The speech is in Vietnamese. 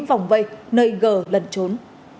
vòng vây nơi gờ lần trốn